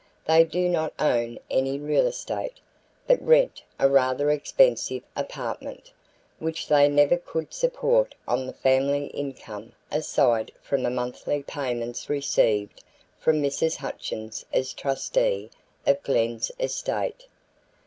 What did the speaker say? They do not own any real estate, but rent a rather expensive apartment, which they never could support on the family income aside from the monthly payments received from Mrs. Hutchins as trustee of Glen's estate.